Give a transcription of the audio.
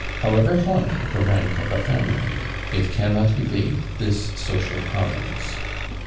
However high the rank of a family, it cannot evade this social providence.